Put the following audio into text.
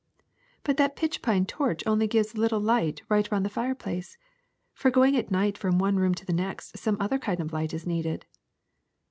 '' ^^But that pitch pine torch only gives light right round the fireplace. For going at night from one room to the next some other kind of light is needed.